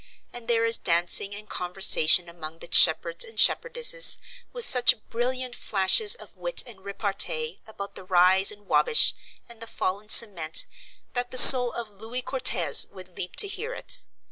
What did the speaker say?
And there is dancing and conversation among the shepherds and shepherdesses, with such brilliant flashes of wit and repartee about the rise in Wabash and the fall in Cement that the soul of Louis Quatorze would leap to hear it.